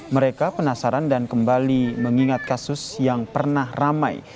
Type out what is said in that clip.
mereka penasaran dan kembali mengingat kasus yang pernah ramai